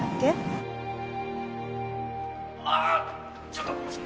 ちょっと！」